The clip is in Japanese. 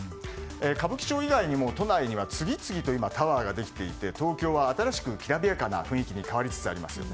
歌舞伎町以外にも都内には次々と今、タワーができていて東京は新しくきらびやかな雰囲気に変わりつつあります。